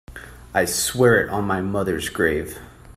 I swear it on my mother's grave.